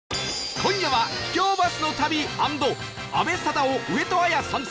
今夜は秘境バスの旅アンド阿部サダヲ上戸彩参戦